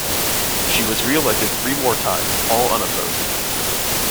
She was reelected three more times, all unopposed.